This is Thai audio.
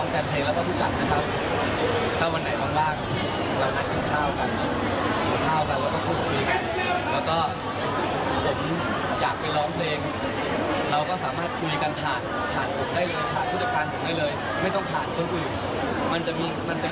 คุณที่หลายคนที่เข้าใจ